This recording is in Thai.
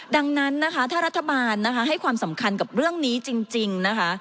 ดังนั้นถ้ารัฐบาลให้ความสำคัญกับเรื่องนี้จริง